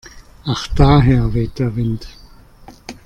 Ach daher weht der Wind.